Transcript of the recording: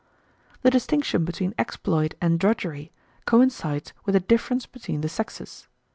The distinction between exploit and drudgery coincides with a difference between the sexes.